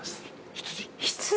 ◆羊！？